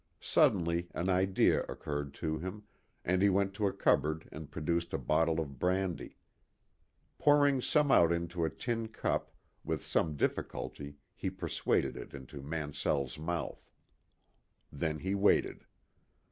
Suddenly an idea occurred to him, and he went to a cupboard and produced a bottle of brandy. Pouring some out into a tin cup, with some difficulty he persuaded it into Mansell's mouth. Then he waited.